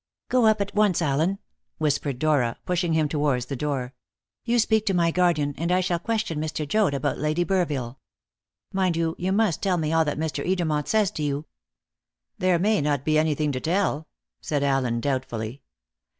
"Go up at once, Allen," whispered Dora, pushing him towards the door. "You speak to my guardian, and I shall question Mr. Joad about Lady Burville. Mind, you must tell me all that Mr. Edermont says to you." "There may not be anything to tell," said Allen doubtfully.